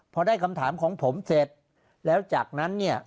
พอได้คำถามของผมเสร็จแล้วจากนั้นเนี่ย